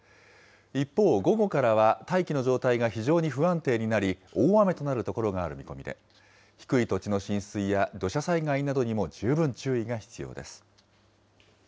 一方、午後からは大気の状態が非常に不安定になり、大雨となる所がある見込みで、低い土地の浸水や土砂災害などにも十分注意が必要です。